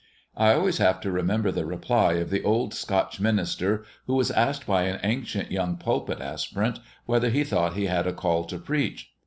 I always have to remember the reply of the old Scotch minister who was asked by an anxious young pulpit aspirant whether he thought he had a call to preach.